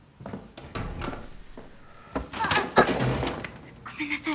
あっごめんなさい。